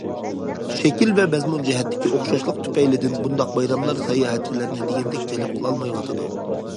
شەكىل ۋە مەزمۇن جەھەتتىكى ئوخشاشلىق تۈپەيلىدىن بۇنداق بايراملار ساياھەتچىلەرنى دېگەندەك جەلپ قىلالمايۋاتىدۇ.